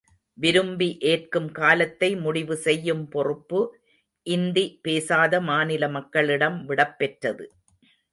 விரும்பி ஏற்கும் காலத்தை முடிவு செய்யும் பொறுப்பு, இந்தி பேசாத மாநில மக்களிடம் விடப் பெற்றது.